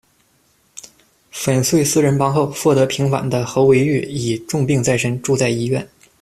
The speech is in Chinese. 粉碎“四人帮”后，获得平反的侯维煜已重病在身，住在医院。